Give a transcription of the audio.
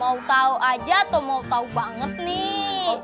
mau tahu aja atau mau tahu banget nih